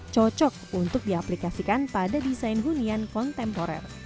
cocok untuk diaplikasikan pada desain hunian kontemporer